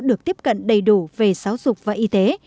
tại đó được tiếp cận đầy đủ về giáo dục và y tế